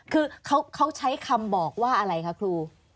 คือเขาใช้คำบอกว่าอะไรคะครู